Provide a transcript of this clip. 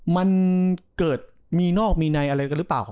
มันเกิดมีนอกมีในอะไรกันหรือเปล่า